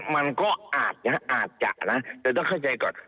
มันก็อาจจะนะแต่ต้องเข้าใจก่อน